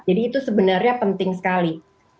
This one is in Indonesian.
jadi itu sebenarnya penting sekali